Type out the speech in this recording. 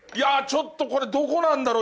ちょっとこれどこなんだろう？